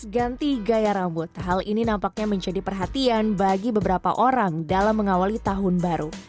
dua ribu sembilan belas ganti gaya rambut hal ini nampaknya menjadi perhatian bagi beberapa orang dalam mengawali tahun baru